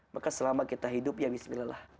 maka selama kita hidup ya bismillah